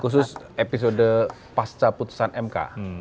khusus episode pasca putusan mk